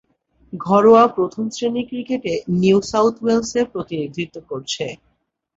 ঘরোয়া প্রথম-শ্রেণীর ক্রিকেটে নিউ সাউথ ওয়েলসের প্রতিনিধিত্ব করেছেন।